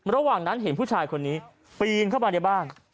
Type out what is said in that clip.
ระหว่างนั้นเห็นผู้ชายคนนี้ปีนเข้ามาในบ้าน